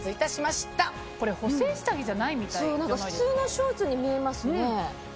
そう普通のショーツに見えますね。